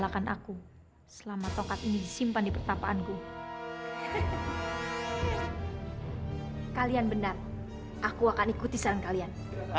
kalian benar aku akan ikuti saran kalian